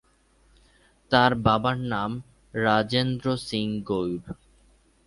তাঁর বাবার নাম রাজেন্দ্র সিং গৌর।